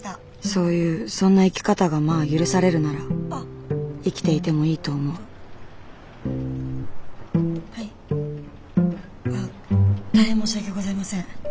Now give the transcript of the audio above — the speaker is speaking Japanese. そういうそんな生き方がまあ許されるなら生きていてもいいと思うはいああ大変申し訳ございません。